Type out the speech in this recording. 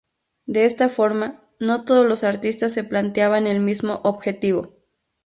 De esta forma, no todos los artistas se planteaban el mismo objetivo.